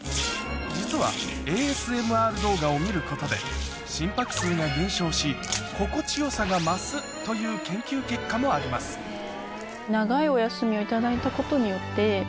実はを見ることで心拍数が減少し心地よさが増すという研究結果もありますよりちゃんと。